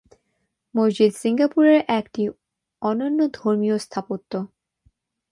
মসজিদ সিঙ্গাপুরের একটি অনন্য ধর্মীয় স্থাপত্য।